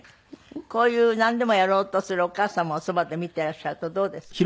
こういうなんでもやろうとするお母様をそばで見ていらっしゃるとどうですか？